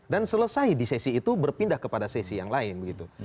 dan selesai di sesi itu berpindah kepada sesi yang lain begitu